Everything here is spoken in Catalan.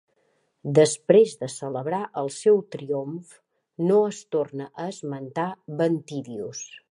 Després de celebrar el seu triomf, no es torna a esmentar Ventidius.